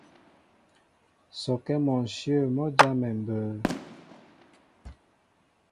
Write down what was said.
Sɔkɛ mɔnshyə̂ mɔ́ jámɛ mbə̌.